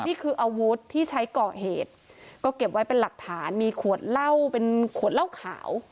นี่คืออาวุธที่ใช้ก่อเหตุก็เก็บไว้เป็นหลักฐานมีขวดเหล้าเป็นขวดเหล้าขาว